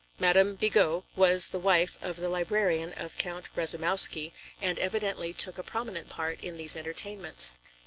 Madame Bigot was the wife of the librarian of Count Rasoumowsky and evidently took a prominent part in these entertainments.